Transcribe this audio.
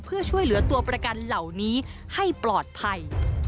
เพื่อช่วยเหลือตัวประกันเหล่านี้ให้ปลอดภัย